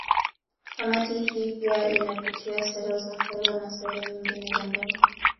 Kamati hii pia inapitia sera za fedha na sera nyingine za ndani